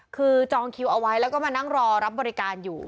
คือจองคิวเอาไว้แล้วก็มานั่งรอรับบริการอยู่